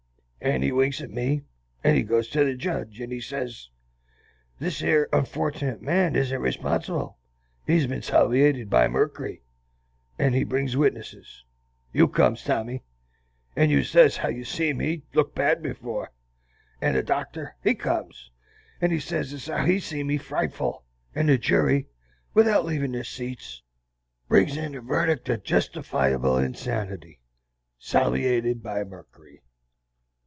And he winks at me, and he goes to the judge, and he sez, 'This yer unfortnet man isn't responsible, he's been salviated by merkery.' And he brings witnesses; you comes, Tommy, and you sez ez how you've seen me took bad afore; and the doctor, he comes, and he sez as how he's seen me frightful; and the jury, without leavin' their seats, brings in a verdict o' justifiable insanity, salviated by merkery."